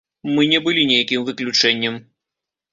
Мы не былі нейкім выключэннем.